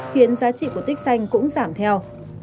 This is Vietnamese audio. khiến giá trị của tích xanh cũng giảm theo